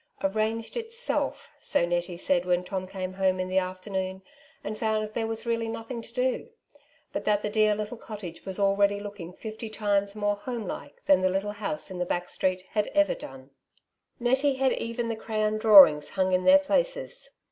" Arranged itself," so Nettie said, when Tom came home in the afternoon and found there was really nothing to do ; but that the dear little cottage was already looking fifty times more home like than the little house in the back street bad ever done. Nettie had even the crayon drawings hung in their places.